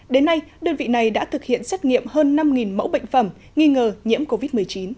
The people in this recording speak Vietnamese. đến nay đơn vị này đã thực hiện xét nghiệm hơn năm mẫu bệnh phẩm nghi ngờ nhiễm covid một mươi chín